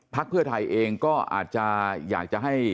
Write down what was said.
เพื่อไทยเองก็อาจจะอยากจะให้